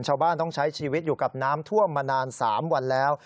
ชาวบ้านต้องใช้ชีวิตอยู่กับน้ำท่วมมานาน๓วันแล้ว